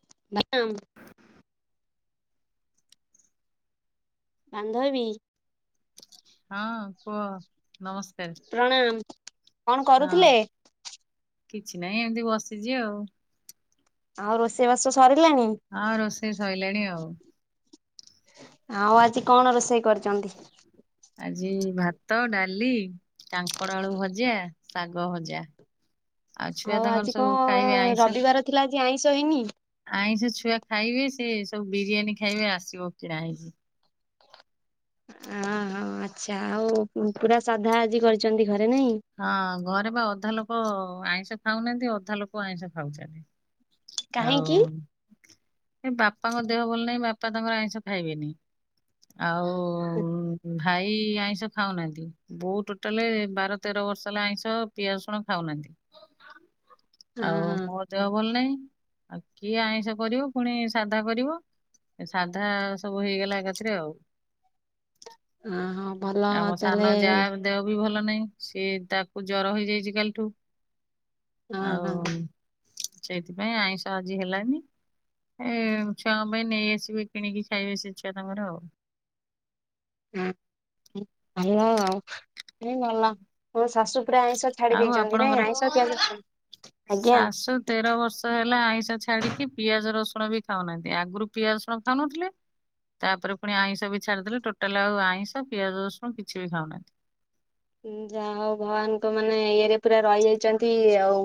[unintelligible] ବାନ୍ଧୋବି। ହଁ କୁହ ନମସ୍କାର। ପ୍ରଣାମ କଣ ହଁ କରୁଥିଲେ? କିଛି ନାହିଁ ଏମିତି ବସିଚି ଆଉ। ଆଉ ରୋଷେଇ ବାସ ସାରି ହଁ ରୋଷେଇ ସଇଲାଣି ଆଉ। ଆଉ ଆଜି କଣ ରୋଷେଇ କରିଚନ୍ତି? ଆଜି ଭାତ, ଡାଲି, କାଙ୍କଡ ଆଳୁ ଭଜା, ଶାଗ ଭଜା। ଛୁଆ ଆଉ ତାଙ୍କର ଆଜି ସବୁ କଣ ଖାଇବେ ଆଇଁଷ ରବିବାର ଥିଲା ଆଜି ଆଇଁଷ ହେଇନି? ଆଇଁଷ ଛୁଆ ଖାଇବେ, ସେ ସବୁ ବିରିୟାନୀ ଖାଇବେ ଆସିବ କିଣା ହେଇକି। ହ ଆଚ୍ଛା ଆଉ ପୂ ପୁରା ସାଧା ଆଜି କରି ହଁ ଘରେ ବା ଅଧା ଲୋକ। ଆଇଁଷ ଖାଉନାହାନ୍ତି ଅଧା ଲୋକ ଆଇଁଷ ଖାଉଚନ୍ତି। ଆଉ କାହିଁକି? ବାପାଙ୍କ ଦେହ ଭଲ ନାହିଁ ବାପା ତାଙ୍କର ଆଇଁଷ ଖାଇବେନି। ଆଉ ହଁ ଓ ଭାଇ ଆଇ ସ ଖାଉନାହାନ୍ତି ବଉ ଟୋଟାଲ ବାର ତେର ବର୍ଷ ହେଲା ଆଇଁଷ ପିଆଜ ରସୁଣ ଖାଉନାହାନ୍ତି। [inaudible] ଆଉ ହଁ ମୋ ଦେହ ଭଲ ନାହିଁ ଆଉ କିଏ ଆଇଁଷ କରିବ ପୁଣି ସାଧା କରିବ? ସାଧା ସବୁ ହେଇଗଲା ଏକାଥିରେ ଆଉ। ହଁ ହଁ ଭଲ ଆମ ତାହେଲେ ସାନ ଯାହା ଦେହ ବି ଭଲ ନାହିଁ, ସିଏ ତାକୁ ଜର ହେଇଯାଇଛି କାଲିଠୁ। ହଁ ଆଉ ହଁ। ସେଇଥିପାଇଁ ଆଇଁଷ ଆଜି ହେଲାନି। ଏ ଛୁଆଙ୍କ ପାଇଁ ନେଇ ଆସିବେ କିଣିକି ଖାଇବେ ସେ ଛୁଆ ତାଙ୍କର ଆଉ। ହଁ ଖାଇବ। ହଁ ଭଲ। ତମ ଶାଶୁ ପୁରା ଆଇଁଷ ଛାଡ଼ି ଆଉ ଦେଇେଇଛନ୍ତି ଆପଣଙ୍କର ନାଇଁ, ଆଇଁଷ ପିଆଜ ରସୁଣ ଆଜ୍ଞା। ଶାଶୁ ତେର ବର୍ଷ ହେଲା ଆଇଁଷ ଛାଡିକି ପିଆଜ ରସୁଣ ବି ଖାଉନାହାନ୍ତି, ଆଗରୁ ପିଆଜ ରସୁଣ ଖାଉନଥିଲେ। ତାପରେ ପୁଣି ଆଇଁଷ ବି ଛାଡିଦେଲେ। ଟୋଟାଲ ଆଉ ଆଇଁଷ ପିଆଜ ରଷୁଣ କିଛି ବି ଖାଉନାହାନ୍ତି। ଯାହା ହଉ ଭଗବାନଙ୍କ ମାନେ ଇଏରେ ପୁରା ରହିଯାଇଛନ୍ତି ଆଉ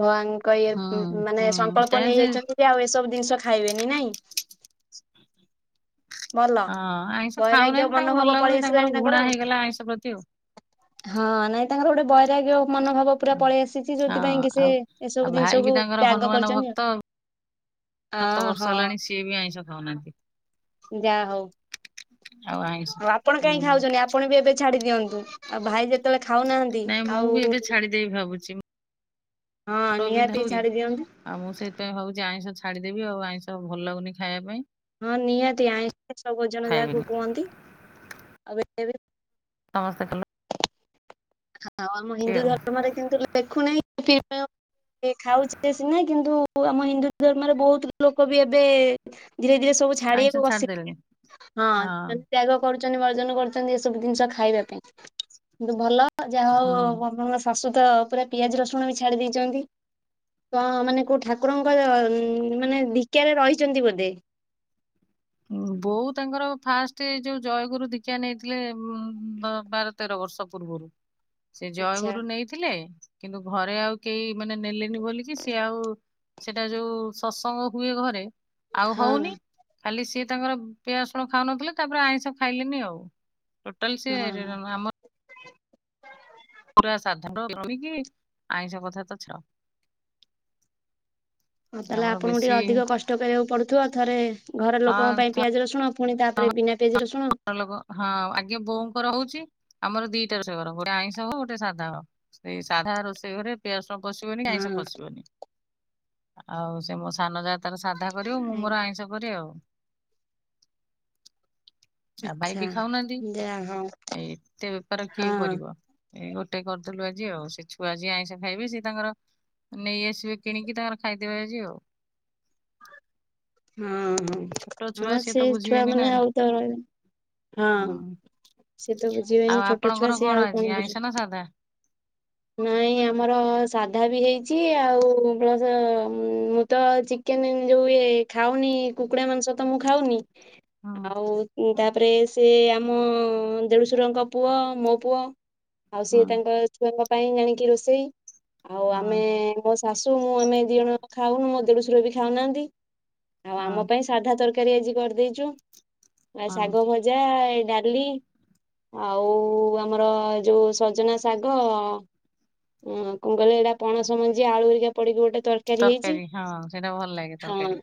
ଭଗବାନଙ୍କ ଇଏ ହୁଁ ମାନେ ହୁଁ ତା ସଂକଳ୍ପ ସେ ନେଇଯାଇଛନ୍ତି ଯେ ଆଉ ଏସବୁ ଜିନିଷ ଖାଇବେନି ନାଇଁ। [inaudible] ଭଲ ହଁ ଆଇଁଷ ବୈରାଗ୍ୟ ଖାଉନାହାନ୍ତି ତାଙ୍କୁ ଭଲ ମନୋଭାବ ଲାଗୁନି ପଳେଇ ଆସିଲାଣି ଘୃଣା ତାଙ୍କର ଆଉ। ହେଇଗଲା ଆଇଁଷ ପ୍ରତି ଆଉ। ହଁ ନାଇଁ ତାଙ୍କର ଗୋଟେ ବୈରାଗ୍ୟ ମନୋଭାବ ପୁରା ହଁ ପଲେଇ ଆସିଛି ଯୋଉଥି ପାଇଁ କି ସେ ଆଉ ଆଉ ଏସବୁ ଭାଇ ବି ଜିନିଷକୁୁ ତାଙ୍କର ତ୍ୟାଗ ହନୁମାନ କରିଛନ୍ତି ଭକ୍ତ ଆଉ। ଅ ସାତ ବର୍ଷ ହେଲାଣି ସିଏ ବି ଆଇଁଷ ଖାଉନାହାନ୍ତି। ଯା ହଉ। ଆଉ ଆଇଁଷ ଆଉ ଆପଣ ହଁ କାହିଁ ଖାଉଛନ୍ତି ଆପଣ ବି ଏବେ ଛାଡ଼ି ଦିଅନ୍ତୁ ଆଉ ଭାଇ ଯେତେବେଳେ ଖାଉନାହାନ୍ତି ନାଇଁ ଆଉ ମୁଁ ବି ଏବେ ଛାଡ଼ି ଦେବି ଭାବୁଛି। ହଁ [unintelligible] ଆଉ ନିହାତି ଛାଡି ଦିଅନ୍ତୁ। ମୁଁ ସେଇଥିପାଇଁ ଭାବୁଛୁ ଆଇଁଷ ଛାଡ଼ିଦବି ଆଉ ଆଇଁଷ ଭଲ ଲାଗୁନି ଖାଇବା ପାଇଁ। ହଁ ନିହାତି ଆଇଁଷ ଭୋଜନ ଖାଇବିନି। ଯାହାକୁ କୁହନ୍ତି [unintelligible] ସମସ୍ତେ କଲୁ। ଆଉ ଆମ ହିନ୍ଦୁ ଧର୍ମରେ କିନ୍ତୁ ଲେଖୁନାହିଁ। ଖାଉଛି ସିନା କିନ୍ତୁ ଆମ ହିନ୍ଦୁ ଧର୍ମରେ ବହୁତ ଲୋକ ବି ଏବେ ଧୀରେ ଧୀରେ ସବୁ ଆଇଁଷ ଛାଡିବାକୁ ବସି ଛାଡିଦେଲେଣି ହଁ [unintelligible] ତ୍ୟାଗ କର। ବର୍ଜନ କରୁଛନ୍ତି ଏସବୁ ଜିନିଷ ଖାଇବା ପାଇଁ କିନ୍ତୁ ଭଲ ଯାହା ହଉ ହୁଁ। ଆପଣଙ୍କ ଶାଶୁ ତ ପୁରା ପିଆଜ ରସୁଣ ବି ଛାଡ଼ି ଦେଇଛନ୍ତି। ତ ମାନେ କୋଉ ଠାକୁରଙ୍କ ମାନେ ଦିକ୍ଷାରେ ରହିଛନ୍ତି ବୋଧେ। ବୋଉ ତାଙ୍କର ଫାଷ୍ଟ ଏ ଯୋଉ ଜୟଗୁରୁ ଧୀଖ୍ୟା ନେଇଥିଲେ ବାର ତେର ବର ବର୍ଷ ପୂର୍ବରୁ ସେ ଆଚ୍ଛା ଜୟଗୁରୁ ନେଇଥିଲେ। କିନ୍ତୁ ଘରେ ଆଉ କେହି ମାନେ ନେଲେନି ବୋଲିକି ସିଏ ଆଉ। ସେଟା ଯୋଉ ସତ୍ସଙ୍ଗ ହୁଏ ଘରେ ଆଉ ହଉନି। ହଁ ଖାଲି ସିଏ ତାଙ୍କର ପିଆଜସୁଣ ଖାଉନଥିଲେ ତାପରେ ଆଇଁଷ ଖାଇଲେନି ଆଉ। ଟୋଟାଲ ସିଏ ହଁ। ର-ର ଆମର। ପୁରା ସାଧା ‌ [unintelligible] କି ଆଇଁଷ କଥା ତ ଛାଡ। ହଁ ତାହେଲେ ଆମର ଆପଣଙ୍କୁ ଟିକେ ବେଶୀ ଅଧିକ କଷ୍ଟ କରିବାକୁ ପଡୁଥିବ ଥରେ ଘର ଲୋକଙ୍କ ପାଇଁ ପିଆଜ ରସୁଣ। ପୁଣି ହଁ ତାପରେ ବିନା ପିଆଜ ରସୁଣ ଘର ଲୋକ ହଁ ଆଗେ ବୋଉଙ୍କର ହଉଛି। ଆମର ଦିଟା ରୋଷେଇ ଘର ଗୋଟେ ଆଇଁଷ ହବ ଗୋଟେ ସାଧା ହବ ସେଇ ସାଧା ରୋଷେଇ ଘରେ ପିଆଜ। ଣ ପସିବନି କି ଆଇଁଷ ହଁ ପସିବନି ଆଉ ସେ ମୋ ସାନ ଜା ତ। ତାର ସାଧା କରିବ ମୁଁ ମୋର ଆଇଁଷ କରେ ଆଉ। ଆଉ ଭାଇ ଆଚ୍ଛା ବି ଖାଉନାହାନ୍ତି ଯାହା ହଉ। ଏ ଏତେ ବେପାର ହଁ କିଏ କରିବ। ଏଇ ଗୋଟେ କରିଦେଲୁ ଆଜି ଆଉ ସେ ଛୁଆ ଯିଏ ଆଇଁଷା ଖାଇବେ ସିଏ ତାଙ୍କର। ନେଇ ଆସିବେ କିଣିକି ତାଙ୍କର ଖାଇଦେବେ ଆଜି ଆଉ। ହ ହଁ ଛୋଟ ହଁ ଛୁଆ ହଁ ସିଏ ସେ ତ ବୁଝିବେନି ନା ଛୁଆମାନେ ଆଉ ତ ରହିବେନି ହଁ। ସିଏ ତ ଆଉ ବୁଝିବେନି ଛୋଟ ଛୁଆ ଆପଣଙ୍କର ସିଏ ଆଉ ଆଜି କଣ ଆଇଁଷ ବୁଝୁଛ ନା ସାଧା? ନାଇଁ ଆମର ସାଧା ବି ହେଇଛି ଆଉ ପ୍ଲସ ମୁଁ ତ ଚି କେମିତି ଯୋଉ ଇଏ ଖାଉନି କୁକୁଡା ମାଂସ ତ ମୁଁ ଖାଉନି ହଁ ଆଉ ତା। ତାପରେ ସେ ଆମ ଦେଢ଼ଶୁରଙ୍କ ପୁଅ ମୋ ପୁଅ। ଆଉ ହଁ ସିଏ ତାଙ୍କ ଛୁଆଙ୍କ ପାଇଁ ଜାଣିକି ରୋଷେଇ ଆଉ ଆମେ ହଁ ମୋ ସା ଶାଶୁ ମୁଁ ଆମେ ଦି ଜଣ ଯାକ ଖାଉନୁ ମୋ ଦେଢୁଶର ବି ଖାଉନାହାନ୍ତି ଆଉ ହଁ ଆମ ପାଇଁ ସାଧା ତରକାରୀ। ତରକାରୀ ଆଜି କରିଦେଇଛୁ ଆଉ ହଁ ଶାଗ ଭଜା। ଡାଲି ଆଉ ଆମର ଯୋଉ ସଜନା ଶାଗ ଆ ହଁ କଣ କହିଲେ ସେଇଟା ପଣ ସମଜି ଆଳୁ ହରିକା ପଡିକି ଗୋଟେ। ତରକାରୀ ହଁ ସେଇଟା ଭଲ ଲାଗେ ହଁ ତରକାରୀ।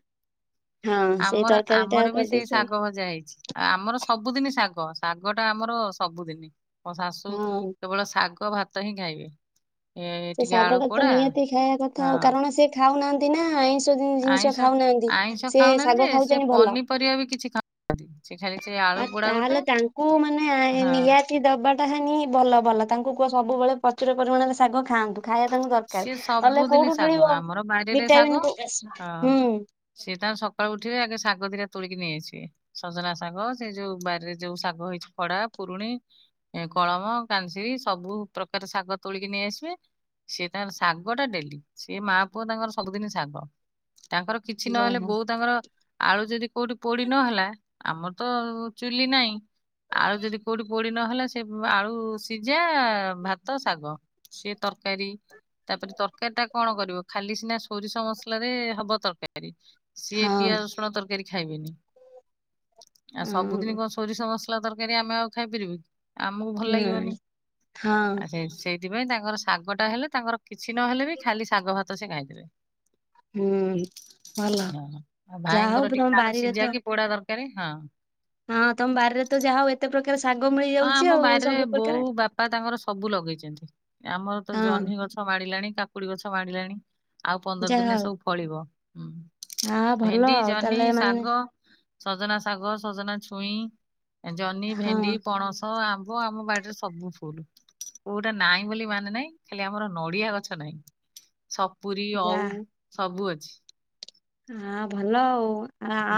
ହଁ ସେଇ ଆମର ତରକାରୀ ଟା ଆଉ ଆମର ବି ସେଇ କରିଦେଇଛୁ ଆଉ ଶାଗ ଭଜା ହେଇଛି ଆଉ ଆମର ସବୁଦିନ ଶାଗ। ଗ ଶାଗ ଟା ଆମର ସବୁଦିନି ମୋ ଶାଶୁ ହଁ। କେବଳ ଶାଗ। ଶାଗ ଭାତ ହିଁ ଖାଇବେ। ଏ ସେ ଟିକେ ଶାଗ ଆଳୁ ଟା ତ ପୋଡା ନିହାତି ଖାଇବା କଥା ହଁ ଆଉ କାରଣ ସେ ଖାଉନାହାନ୍ତି ନା ଆଇଁଷ। ତୋ ଜି ଜିନିଷ ଆଇଁଷ ଖାଉନାହାନ୍ତି ଆଇଁଷ ସିଏ ଖାଉନାହାନ୍ତି ଶାଗ ଯେ ସେ ଖାଉଛନ୍ତି ଭଲ। ପନିପରିବା ବି [inaudible] ଆଳୁ ଆଉ ପୋଡା ଗୋଟେ ତାହେଲେ ତାଙ୍କୁ ମାନେ ହଁ ନିହାତି ଦବାଟା ହେନି ଭଲ ଭଲ। ତାଙ୍କୁ କୁହ ସବୁବେଳେ ପ୍ରଚୁର ପରିମାଣରେ ଶାଗ ଖାଆନ୍ତୁ। ଖାଇବା ତାଙ୍କୁ ଦରକାର ସିଏ ନହଲେ ସବୁଦିନ କୋଉଠୁ ଶାଗ ମିଳିବ ଆମର ବାରିରେ ଶାଗ ଭିଟାମିନ କୋଉ ହଁ ହୁଁ। ସିଏ ତାଙ୍କର ସକାଳୁ ଉଠିବେ ଆଗେ। ଶାଗ ଦିଟା ତୋଳିକି ନେଇ ଆସିବେ ସଜନା ଶାଗ ସେ ଯୋଉ ବାରିରେ ଯୋଉ ଶାଗ ହେଇଛି ଖଡା ପୁରୁଣି। ଏଁ କଳମ, କାନ୍ସି ସବୁ ପ୍ରକାର ଶାଗ ତୋଳିକି ନେଇ ଆସିବେ। ସିଏ ତାଙ୍କର ଶାଗ ଟା ଡେଲି ସେ ମା ପୁଅ ତାଙ୍କର ସବୁଦିନ ଶାଗ। ତାଙ୍କର କିଛି ନହେଲେ ଯାହା ବୋଉ ତାଙ୍କର। ଆଳୁ ଯଦି କୋଉଠି ପୋଡି ନହେଲା ଆମର ତ ଚୁଲି ନାହିଁ ଆଳୁ ଯଦି କୋଉଠି ପୋଡି। ନହେଲେ ସେବ୍ ଆଳୁ ସିଜା ଭାତ ଶାଗ ସିଏ ତରକାରୀ। ତାପରେ ତରକାରୀ ଟା କଣ କରିବ ଖାଲି ସିନା ସୋରିଷ ମସଲ ରେ ହବ ତରକାରୀ। ସିଏ ହଁ ପିଆଜ ରସୁଣ ତରକାରୀ ଖାଇବେନି ଆଉ ସବୁଦିନ ହଁ କଣ ସୋରିଷ ମସ ତରକାରୀ ଆମେ ଆଉ ଖାଇପାରିବୁ ଆମକୁ ଭଲ ଲାଗିବନି ନାଇଁ ହଁ ଆ ସେଉଠୁ ସେଇ। ସେଥିପାଇଁ ତାଙ୍କର ଶାଗ ଟା ହେଲେ ତାଙ୍କର କିଛି ନହେଲେ ବି ଖାଲି ଶାଗ ଭାତ ସେ ଖାଇଦେବେ। ହୁଁ ଭଲ ହଁ ଆଉ ଯାହା ହଉ ଭାଇଙ୍କର ତମ ଟିକେ ଆଳୁ ବାରିରେ ସିଝା ତ କି ପୋଡା ଦରକାର। କାରେ ହଁ। ହଁ। ହଁ ତମ ବାରିରେ ତ ଯାହା ହଉ ଏତେ ପ୍ରକାର ଶାଗ ହଁ ମିଳିଯାଉଛି ଆମ ଆଉ ବାରିରେ ସବୁ ପ୍ରକାର। ବୋଉ ବାପା ତାଙ୍କର ସବୁ ଲଗେଇଛନ୍ତି। ଆମର ତ ହଁ ଜହ୍ନି ଗଛ ଗଛ ମାଡ଼ିଲାଣି କାକୁଡ଼ି ଗଛ ମାଡ଼ିଲାଣି ଆଉ ପନ୍ଦର ଯାହା ଦିନରେ ହଉ ସବୁ ଫଳିବ। ହୁଁ ହଁ ଭଲ ଭେଣ୍ଡି, ଆଉ ଜହ୍ନି, ତାହେଲେ ମାନେ ଶାଗ। ସଜନା ଶାଗ, ସଜନା ଛୁଇଁ, ଜହ୍ନି, ହଁ ଭେଣ୍ଡି, ପଣସ, ଆ ଆମ ବାଡ଼ିରେ ସବୁ କୋଉଟା ନାହିଁ ବୋଲି ମାନେ ନାହିଁ ଖାଲି ଆମର ନଡ଼ିଆ ଗଛ ନାଇଁ ସପୁରୀ ଯା ଅଉ ସବୁ ଅଛି। ହଁ ଭଲ ଆଉ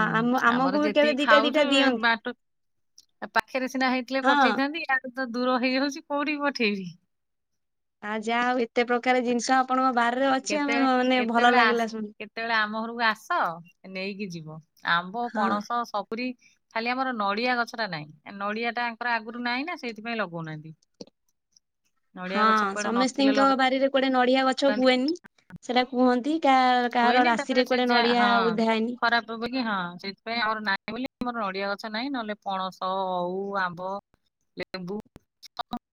ଆ ଆମକୁ ବି କେବେ ଦିଟା ଦିଟା ଦିଅନ୍ତୁ। ଆଉ ପାଖରେ ସିନା ହେଇଥିଲେ ହଁ ପଠେଇଥାନ୍ତି ଆଉ। ତ ଦୂର ହେଇଯାଉଛି କୋଉଠିକି ପଠେଇବି। ଆଉ ଯାହା ଆଉ ଏତେ ପ୍ରକାର ଜିନିଷ ଆପଣଙ୍କ ବାହାରେ କେତେବେଳେ କେତେବେଳେ ଆସ କେତେବେଳେ ଆମ ଘରକୁ ଆସ ନେଇକି ଯିବ ଆମ୍ବ ହଁ ପଣସ ସବୁ। ପୁରୀ ଖାଲି ଆମର ନଡ଼ିଆ ଗଛଟା ନାହିଁ ନଡ଼ିଆ ଟା ଆଙ୍କର ଆଗରୁ ନାହିଁ ନା ସେଇଥିପାଇଁ ଲଗଉନାହାନ୍ତି। ନଡିଆ ଗଛ ହଁ କୁଆଡେ ନଥିଲେ ସମସ୍ତିଙ୍କ ବାରିରେ ଗୋଟେ ନଡ଼ିଆ ଗଛ ଲଗାନ୍ତି ହୁଏନି ସେଟା କୁହନ୍ତି। କାହା କାହାର ହୁଏନି ତାପରେ ରାଶିରେ ସେ କୁଆଡେ ଯା ନଡିଆ ହଁ ଓଦା ହେଇନି। ଖରାପ ହବ କି ହଁ ସେଥିପାଇଁ ଆମର ନାହିଁ ବୋଲି ଆମର ନଡ଼ିଆ ଗଛ ନାହିଁ ନହେଲେ ପଣସ ଅଉ ଆମ୍ବ ଲେମ୍ବୁ ନାହିଁ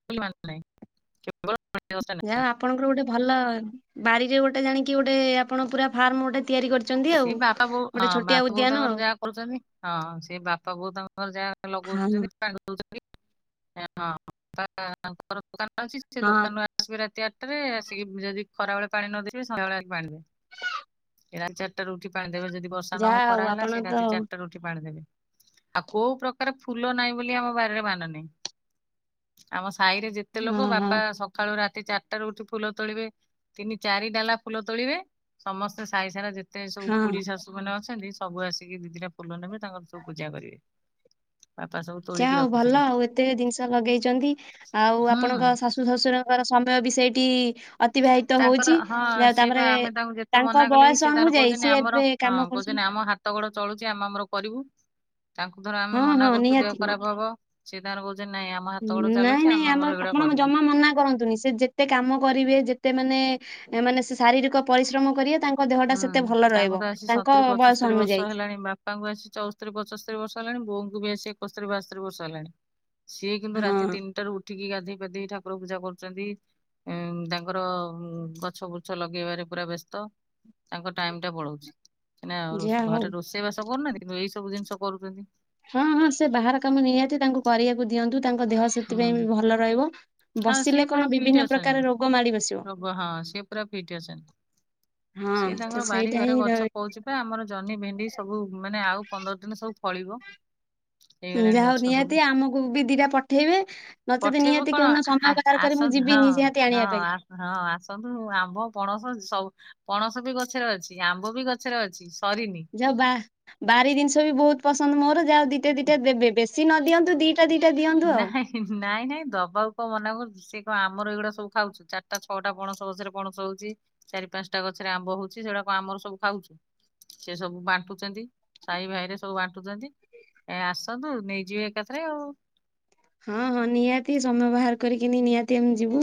ବୋଲି ମାନେନାହିଁ କେବଳ ନଡ଼ିଆ ଗଛ ଯାହା ଆପଣଙ୍କର ଗୋଟେ ଭଲ ବାରିରେ ଗୋଟେ ଜାଣିକି ଗୋଟେ ଆପଣ ପୁରା ଫାର୍ମ ଗୋଟେ ତିଆରି କରି ସେ ବାପା ବୋଉ ହଁ ବାପା ବୋଉ ଆଉ ତାଙ୍କର ଯାହା କରୁଛନ୍ତି ହଁ ସେ ବାପା ବୋଉ ତାଙ୍କର ଯାହା ଲଗ ହଁ ଅଛନ୍ତି ପାଣି ଦଉଛନ୍ତି। ହଁ ଦୋକାନ ଅଛି ସେ ହଁ ଦୋକାନରୁ ଆସିବେ ରାତି ଆସିକି ଯଦି ଖରାବେଳେ ପାଣି ନଦେଇଥିବେ ସନ୍ଧ୍ୟାବେଳେ ଆସି ପାଣି ଦେବେ ରାତି ଚାରିଟାରୁ ଉଠି ପାଣି ଦେବେ ଯଦି ବର୍ଷା ନହେଲେ ଯାହା ହଉ ଖରା ହେଲା ଆପଣ ସେଇ ତ ରାତି ଚାରିଟାରେ ଉଠି ପାଣି ଦେବେ। ଆଉ କୋଉ ପ୍ରକାର ଫୁଲ ନାହିଁ ବୋଲି ଆମ ବାରିରେ ମାନେ ନାହିଁ ଆମ ସାହି ରେ ଯେତେ ହଁ ଲୋକ ହଁ ବାପା ସକାଳୁ ରା ରାତି ଚାରିଟାରୁ ଉଠି ଫୁଲ ତୋଳିବେ ତିନି ଚାରି ଡାଲା ଫୁଲ ତୋଳିବେ ସମସ୍ତେ ସାଇସାରା ଯେ ସବୁ ହଁ ଖୁଡ଼ୀ ଶାଶୁ ମାନେ ଅଛନ୍ତି। ସବୁ ଆସିକି ଦିଦିଟା ଫୁଲ ନେବେ ତାଙ୍କର ସବୁ ପୂଜା କରିବେ। ବାପା ସବୁ ତୋଳିକି ଯାହା ହଉ ଭଲ ରଖିଥିବେ। ଆଉ ଏତେ ଜିନିଷ ଲଗେଇଛନ୍ତି ଆଉ ଆପଣଙ୍କ ହୁଁ ଶାଶୁ ଶଶୁରଙ୍କର ସମୟ ବି। ସେଇଟି। ଅତିବାହିତ ତାଙ୍କର ହଉଛି ହଁ ଯାହା ହଉ ସିଏ ବା ତାପରେ ଆମେ ତାଙ୍କୁ ଯେତେ ତାଙ୍କ ମନା କଲେ ବି ବୟସ ସିଏ ତାଙ୍କର ଅନୁଯାୟୀ କହୁଛନ୍ତି ସିଏ ଆମର ଏବେ କାମ ହଁ କରୁଛନ୍ତି। କହୁଛନ୍ତି ଆମ ହାତ ଗୋଡ ଚଳୁଛି ଆମ ଆମର କରିବୁ। ତାଙ୍କୁ ଧର ଆମେ ହଁ ମନା ହଁ କରୁଛୁ ନିହାତି ଦେହ ନିହାତି ଖରାପ ହବ ସିଏ ତାଙ୍କର କହୁ ନାଇଁ ନାଇଁ ଆମ ଆପଣ କରିବୁ। ଜମା ମନା କରନ୍ତୁନି ସେ ଯେତେ କାମ କରିବେ। ଯେତେ ମାନେ ମାନେ ସେ ଶାରୀରିକ ପରିଶ୍ରମ କରିବେ ତା ହଁ ତାଙ୍କୁ ତ ଆସି ସତୁରି ବୟସ ପଚସ୍ତରୀ ବର୍ଷ ଅନୁଯାୟୀ ହେଲାଣି ବାପାଙ୍କୁ ଆସି ଚଉସ୍ତରି ପଚସ୍ତରୀ ବର୍ଷ ହେଲାଣି ବୋଉଙ୍କୁ ବି ଆସି ଏକସ୍ତରି ବାସ୍ତରି ବର୍ଷ ହେଲାଣି ସିଏ କିନ୍ତୁ ରାତି ହଁ ତିନିଟାରୁ ଉଠ ଠିକି ଗାଧେଇ ପାଧେଇ ଠାକୁର ପୂଜା କରୁଛନ୍ତି। ଉଁ ତାଙ୍କର ଉଁ ଗଛ ବୁଛ ଲଗେଇବାରେ ପୁରା ବ୍ୟସ୍ତ। ତାଙ୍କ ଟାଇମ ଟା ପଳଉଛି ସିନା ଯାହା ରୋଷ ହଉ ଘରେ ରୋଷେଇ ବାସ କରୁନାହାନ୍ତି କିନ୍ତୁ ଏଇ ସବୁ ଜିନିଷ କରୁଛନ୍ତି। ହଁ ହଁ ସେ ବାହାର କାମ ନିହାତି ତାଙ୍କୁ କରିବାକୁ ଦିଅନ୍ତୁ ତାଙ୍କ ଦେହ ହୁଁ। ସେଥିପାଇଁ ବି ଭଲ ରହିବ। ହଁ ବସିଲେ ସିଏ କଣ ପୁରା ବିଭିନ୍ନ ଫିଟ ଅଛନ୍ତି ପ୍ରକାର ରୋଗ ମାଡି ବସିବ ର ବ ହଁ ସିଏ ପୁରା ଫିଟ ଅଛନ୍ତି। ହଁ ସିଏ ତ ତାଙ୍କର ବାରି ସେଇଟା ହିଁ ଘରେ ର- ଗଛ କହୁଛି ପାଇଁ ଆମର ଜନ୍ହି ଭେଣ୍ଡି। ସବୁ ମାନେ ଆଉ ପନ୍ଦର ଦିନରେ ସବୁ ଫଳିବ। ହେଇଗଲାଣି ଯାହା ହଉ ଗଛ ସବୁ ନିହାତି ଆମକୁ ବି ଦିଟା ପଠେଇବେ ନଚେତ ପଠେଇବୁ ନିହାତି କଣ କୋଉଦିନ ସମୟ ବାହାର କରି ଆ-ଆସ ମୁଁ ଯିବି ହଁ ନିହାତି ଆଣିବା ହଁ ପାଇଁ ହଁ ଆସନ୍ତୁ ଆମ୍ବ ପଣ ହଁ ସବୁ ପଣସ ବି ଗଛରେ ଅଛି ଆମ୍ବ ବି ଗଛରେ ଅଛି। ସରିନି। ଯାହା ହଉ ବା-ବାରି ଜିନିଷ ବି ବହୁତ ପସନ୍ଦ ମୋର ଯାହା ଦିଟା ଦିଟା ଦେବେ ବେଶୀ ନ ଦିଅନ୍ତୁ ଦି ନାଇଁ ନାଇଁ ନାଇଁ ଦବା କୁ କଣ ମନା କରୁ ସିଏ କଣ ଆମର ଏଇଗୁଡା ସବୁା ଖାଉଛୁ ଚାରିଟା ଛଅଟା ପଣସ ଗଛରେ ପଣସ ହଉଛି ଚାରି ପାଞ୍ଚଟା ଗଛରେ ଆମ୍ବ ହଉଛି ସେ ଗୁଡ଼ା ଆମର ସବୁ ଖାଉଛୁ ସେ ସବୁ ବାଣ୍ଟୁଛନ୍ତି ସାଇ ଭାଇରେ ସବୁ ବାଣ୍ଟୁଛନ୍ତି। ଏ ଆସନ୍ତୁ ନେଇଯିବେ ଏକାଥରେ ଆଉ। ହଁ ହଁ ନିହାତି ସମୟ ବାହାର କରିକି ନି-ନିହାତି ଆମେ ଯିବୁ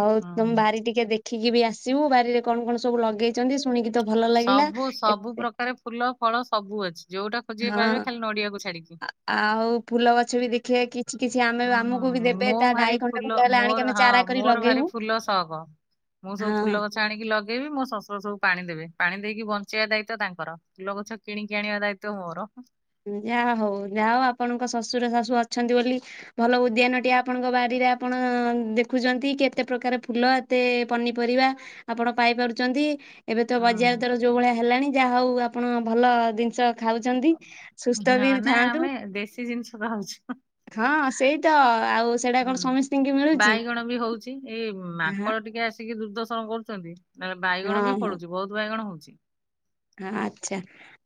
ଆଉ ତମ ହୁଁ ବାରି ଟିକେ ଦେ ଖିକି ବି ଆସିବୁ ବାରିରେ କଣ କଣ ସବୁ ଲଗେଇ ଚନ୍ତି ଶୁଣିକି ତ ଭଲ ଲାଗିଲା ସବୁ ସବୁ ଏତେ। ପ୍ରକାର ଫୁଲ ଫଳ ସବୁ ଅଛି ଯୋଉଟା ଖୋଜିବେ ହଁ ପାଇବେ ଖାଲି ନଡିଆକୁ ଛାଡିକି ଆ-ଆଉ ଫୁଲ ଗଛ ବି ଦେ ହଁ ହଁ ମୁଁ ତା ଭାରି ଡାହି ଖଣ୍ଡେ ଫୁଲ ଖଣ୍ଡେ ହେଲେ ଆଣିକି ମୋର ଆମେ ହଁ ଚାରା କରି ମୋର ଭାରି ଲଗେଇବୁ ଫୁଲ ସକ। ମୁଁ ସବୁ ହଁ। ଫୁଲ ଗଛ ଆଣିକି ଲଗ ଲଗେଇବି ମୋ ଶଶୁର ସବୁ ପାଣି ଦେବେ ପାଣି ଦେଇକି ବଞ୍ଚେଇବା ଦାୟିତ୍ବ ତାଙ୍କର ଫୁଲ ଗଛ କିଣିକି ଆଣିବା ଦାୟିତ୍ଵ ମୋର। ଯାହା ହଉ ଯାହା ହଉ ଆପଣଙ୍କ ଶଶୁର ଶାଶୁ ଅଛନ୍ତି ବୋଲି ଭଲ ଉଦ୍ୟାନଟିଏ ଆପଣଙ୍କ ବାରି ରେ ଆପଣ ଦେଖୁଛନ୍ତି କେତେ ପ୍ରକାର ଫୁଲ ଏତେ ପନିପରିବା ଆପଣ ପାଇପାରୁଛନ୍ତି। ଏବେ ତ ବଜାର ହଁ ଦର ଯୋଉ ଭଳିଆ ହେଲାଣି ଯାହା ହଉ ଆପଣ ଭଲ ଜିନିଷ ଖାଉଛନ୍ତି। ସୁସ୍ଥ ବି ହଁ ନାଇଁ ଥାଆନ୍ତୁ ଆମେ ଦେଶୀ ଜିନିଷ ଖାଉଛୁ। ହଁ ସେଇ ତ ଆଉ ସେଇଟା କଣ ହୁଁ ସମସ୍ତିଙ୍କି ମିଳୁଛି। ବାଇଗଣ ବି ହଉଛି ଏଇ ହଁ ମାଙ୍କଡ ଟିକେ। ଆସିକି ଦୁର୍ଦର୍ଶନ କରୁଛନ୍ତି ନହେଲେ ବାଇଗଣ ହଁ ବି ଫଳୁଛି ବହୁତ ବାଇଗଣ ହଉଛି। ହଁ ଆଚ୍ଛା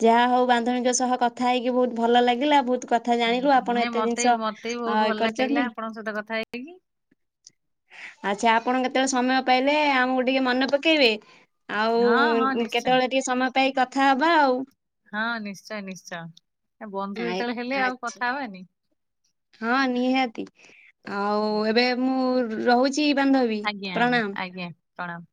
ଯାହା ହଉ ବାନ୍ଧବିଙ୍କ ସହ କଥା ହେଇକି ବହୁତ ଭଲ ଲାଗିଲା ବହୁତ ତୁ କଥା ହୁଁ, ଜାଣିଲୁ ଆପଣ ନାଇଁ ଏତେ ମତେ ଜିନିଷ ମତେ ବି ବହୁତ ଆଁ ଭଲ ଲାଗିଲା କରିଛନ୍ତି। ଆପଣଙ୍କ ସହିତ କଥା ହେଇକି। ଆଚ୍ଛା ଆପଣ କେତେବେଳେ ସମୟ ପାଇଲେ ଆମକୁ ଟିକେ ମନେ ପକେଇବେ। ଆଉ ହଁ ହଁ ନିଶ୍ଚୟ କେତେବେଳେ ଟିକେ ସମୟ ପାଇ କଥା ହବା ଆଉ। ହଁ ନିଶ୍ଚୟ ନିଶ୍ଚୟ ଏ ବନ୍ଧୁ ଯେତେବେଳେ ହେଲେ ଆଉ କଥା ହବାନି। ହଁ ନିହାତି ଆଉ ଏବେ ମୁଁ ର-ରହୁ ଚି ବାନ୍ଧବୀ ଆଜ୍ଞା ଆଜ୍ଞା ପ୍ରଣାମ। ଆଜ୍ଞା ପ୍ରଣାମ।